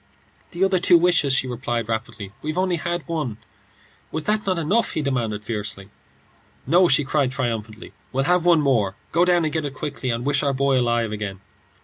"The other two wishes," she replied, rapidly. "We've only had one." "Was not that enough?" he demanded, fiercely. "No," she cried, triumphantly; "we'll have one more. Go down and get it quickly, and wish our boy alive again."